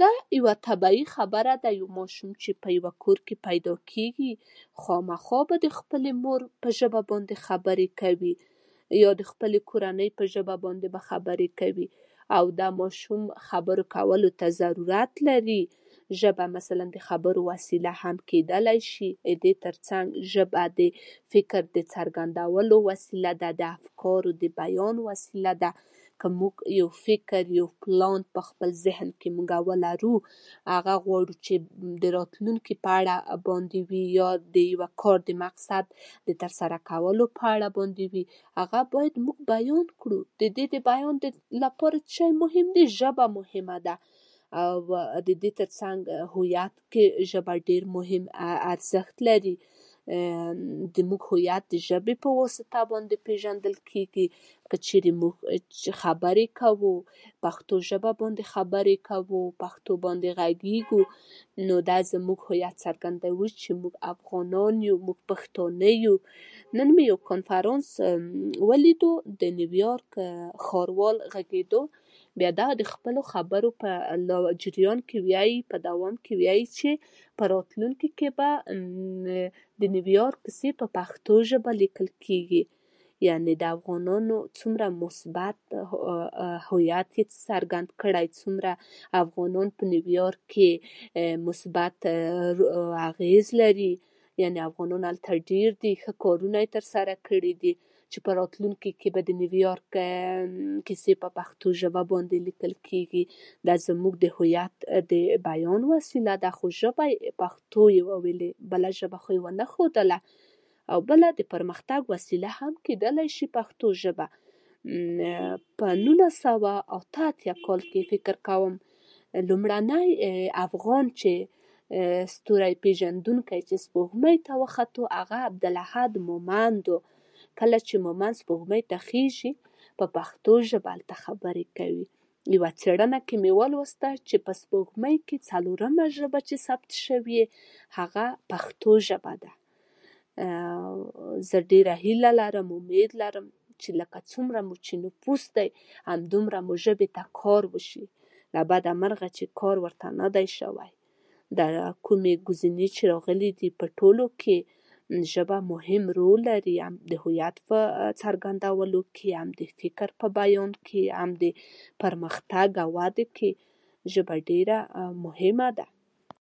دا یوه طبیعي خبره ده یو ماشوم چې په یوه کور کې پیدا کېږي، خامخا به د خپلې مور ژبه باندې خبرې کوي، یا د خپلې کورنۍ په ژبه به خبرې کوي، او دا ماشوم خبرو کولو ته ضرورت لري، ژبه مثلا د خبرو کولو وسیله هم کېدلی شي، د دې تر څنګ ژبه د فکر د څرګندولو وسیله ده او بله د پرمختګ وسیله هم کېدلی شي، د پښتو ژبه اممم په ١٩٨٨ کال کې فکر کوم لومړنی افغان چې ستوری پېژندونکی چې سپوږمۍ ته وخته هغه عبدالحد مومند و. کله چې مومند سپوږمۍ ته خېژي پښتو ژبه هلته خبرې کوي، يوه څېړنه کې مې ولوستل چې په سپوږمۍ کې څلورمه ژبه چې ثبت شوې هغه پښتو ژبه ده. ااااو زه ډېره هیله لرم امید لرم چې لکه څنګه مو چې نفوس دی، همدومره مو ژبې ته کار وشي. له بده مرغه چې کار ورته نه دی شوی، دا کومې ګزینې چې راغلي په ټولو کښې ژبه مهم رول لري، هم د هویت په څرګندولو هم د فکر په بیان کې هم د پرمختګ او ودې کې ژبه ډېره مهمه ده.